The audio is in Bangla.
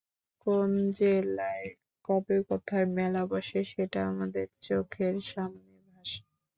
কোন জেলায় কবে কোথায় মেলা বসে, সেটা আমাদের চোখের সামনে ভাসে।